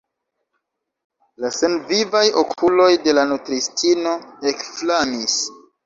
La senvivaj okuloj de la nutristino ekflamis.